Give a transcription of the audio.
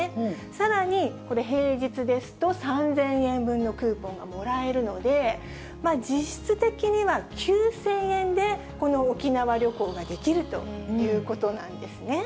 さらに平日ですと、３０００円分のクーポンがもらえるので、実質的には９０００円でこの沖縄旅行ができるということなんですね。